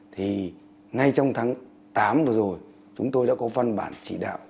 thì ngay trong tháng tám vừa rồi chúng tôi đã có văn bản chỉ đạo